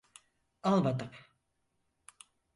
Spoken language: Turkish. Almadım.